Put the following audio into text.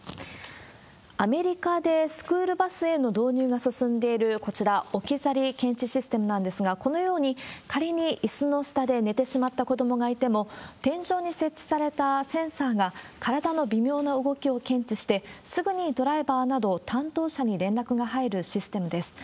アメリカでスクールバスへの導入が進んでいる、こちら、置き去り検知システムなんですが、このように、仮にいすの下で寝てしまった子どもがいても、天井に設置されたセンサーが体の微妙な動きを検知して、すぐにドライバーなど、担当者に連絡が入るシステムです。